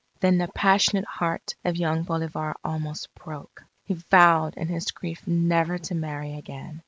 Then the passionate heart of young Bolivar almost broke. He vowed in his grief never to marry again.